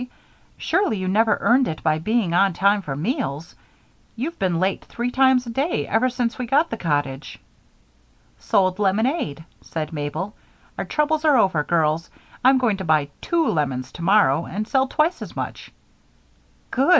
"Surely you never earned it by being on time for meals you've been late three times a day ever since we got the cottage." "Sold lemonade," said Mabel. "Our troubles are over, girls. I'm going to buy two lemons tomorrow and sell twice as much." "Good!"